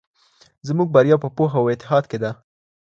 زموږ بریا په پوهه او اتحاد کې ده.